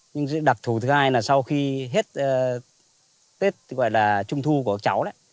nhưng sự đặc thù thứ hai là sau khi hết tết gọi là trung thu của cháu đấy